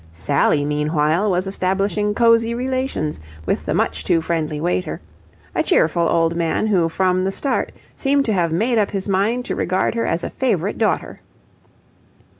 Sally, meanwhile, was establishing cosy relations with the much too friendly waiter, a cheerful old man who from the start seemed to have made up his mind to regard her as a favourite daughter.